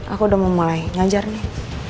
aku udah mau mulai ngajar nih